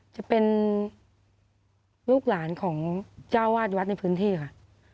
จะเป็นลูกหลานของเจ้าวาดวัดในพื้นที่ค่ะ